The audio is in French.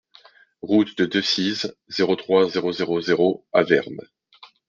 Route de Decize, zéro trois, zéro zéro zéro Avermes